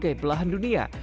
dari seluruh lahan dunia